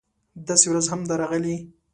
داسې ورځ هم ده راغلې